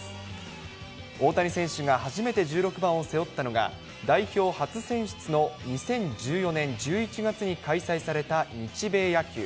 大谷選手が初めて１６番を背負ったのが、代表初選出の２０１４年１１月に開催された日米野球。